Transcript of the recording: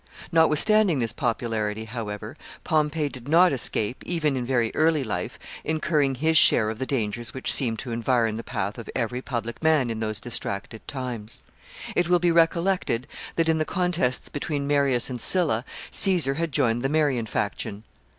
] Notwithstanding this popularity, however, Pompey did not escape, even in very early life, incurring his share of the dangers which seemed to environ the path of every public man in those distracted times. It will be recollected that, in the contests between Marius and Sylla, Caesar had joined the Marian faction.